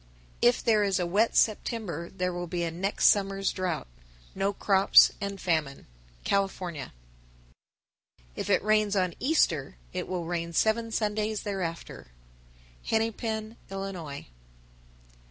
_ 952. If there is a wet September, there will be a next summer's drouth; no crops and famine. California. 953. If it rains on Easter, it will rain seven Sundays thereafter. Hennepin, Ill. 954.